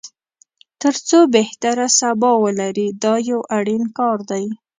تر څو بهترینه سبا ولري دا یو اړین کار دی.